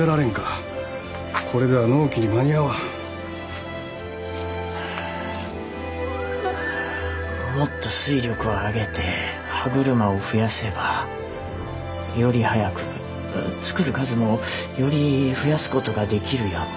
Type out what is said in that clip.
これでは納期に間に合わんもっと水力を上げて歯車を増やせばより早く作る数もより増やすことができるやも。